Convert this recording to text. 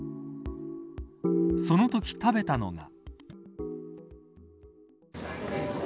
そのとき食べたのが。